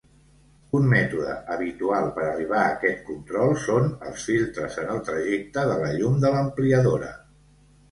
Un mètode habitual per arribar a aquest control són els filtres en el trajecte de la llum de l'ampliadora.